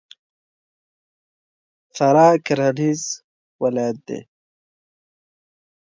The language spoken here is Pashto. فراه کرهنیز ولایت دی.